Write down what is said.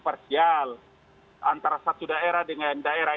parsial antara satu daerah dengan daerah